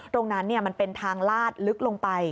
ตรงนั้นเนี่ยมันเป็นทางลาดลึกลงไป